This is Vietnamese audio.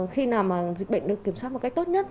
khi nào mà dịch bệnh được kiểm soát một cách tốt nhất